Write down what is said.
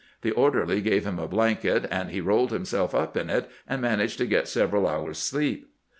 The orderly gave him a blanket, and he rolled himself up in it and managed to get several hours' sleep.